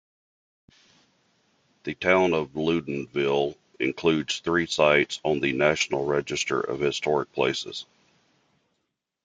The town of Loudonville includes three sites on the National Register of Historic Places.